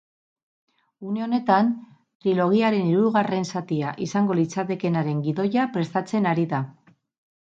Une honetan, trilogiaren hirugarren zatia izango litzatekeenaren gidoia prestatzen ari da.